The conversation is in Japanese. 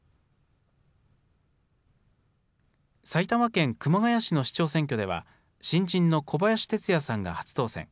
埼玉県熊谷市の市長選挙では、新人の小林哲也さんが初当選。